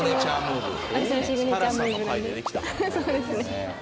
そうですね。